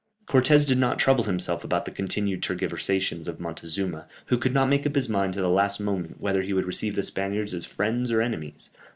Cortès did not trouble himself about the continued tergiversations of Montezuma, who could not make up his mind to the last moment whether he would receive the Spaniards as friends or enemies.